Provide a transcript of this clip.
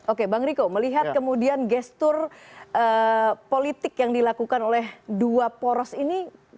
oke bang riko melihat kemudian gestur politik yang dilakukan oleh dua poros ini